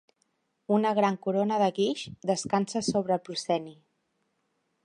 Una gran corona de guix descansa sobre el prosceni.